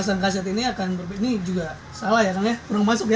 masang kaset ini akan berbeda ini juga salah ya kang ya kurang masuk ya